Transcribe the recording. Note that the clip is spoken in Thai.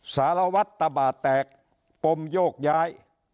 สารวัตรตะบาดแตกปมโยกย้าย